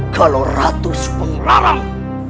kalau ratus pengarang